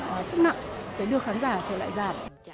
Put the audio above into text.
và sức nặng để đưa khán giả trở lại giảm